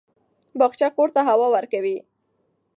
باغچه کور ته هوا ورکوي.